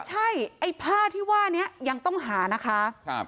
ใช่ไอ้ผ้าที่ว่านี้ยังต้องหานะคะ